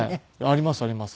ありますあります。